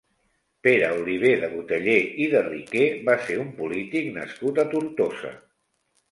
Pere Oliver de Boteller i de Riquer va ser un polític nascut a Tortosa.